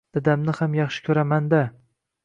Dadamni ham yaxshi koʻraman-da